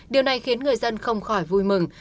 điều này khiến người dân không khỏi vui mừng